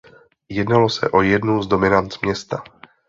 Jednalo se o jednu z dominant města.